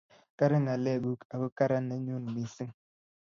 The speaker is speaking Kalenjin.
karan ngalek guk, ako karan nenyu mising'